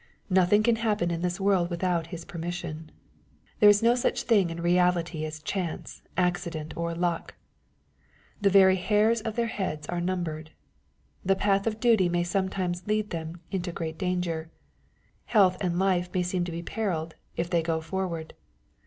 Nothing can happen in this world without His permission. There is no such thing in reality as chance^ accident, or luck. '' The very hairs of their heads are all numbered/' The path of duty may sometimes lead them into great danger. Ilealth and life may seem to be perilled^ if they go forward.